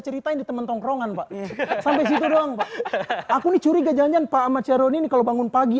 ceritain di empath ue dua hasta kejujuran pak aku curiga janjian pak an seeing kalo bangun pagi